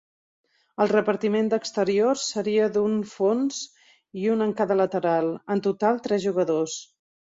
El repartiment d'exteriors seria d'un fons i un en cada lateral, en total tres jugadors.